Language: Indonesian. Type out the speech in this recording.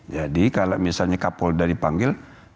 jadi kalau misalnya kapolda dipanggil